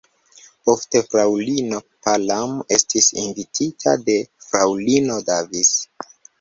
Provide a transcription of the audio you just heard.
Ofte fraŭlino Palam estis invitita de fraŭlino Davis.